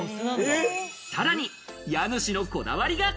さらに家主のこだわりが。